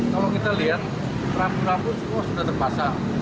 kalau kita lihat perang perang pun semua sudah terpasang